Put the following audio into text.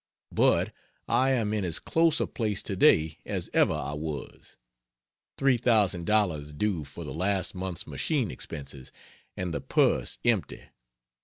But I am in as close a place to day as ever I was; $3,000 due for the last month's machine expenses, and the purse empty.